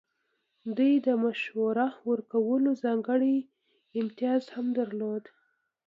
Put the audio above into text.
دوی د مشوره ورکولو ځانګړی امتیاز هم درلود.